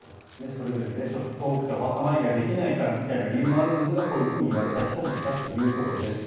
それぞれちょっと遠くてお墓参りができないからみたいな理由もあるんですがこう言われた人もいたということです。